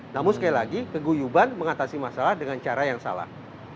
namun sekali lagi keguyuban mengatasi masalah dengan cara yang salah